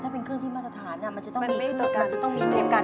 ถ้าเป็นเครื่องที่มาสถานมันจะต้องมีตรวจการ